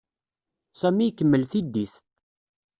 Sami ikemmel tiddit.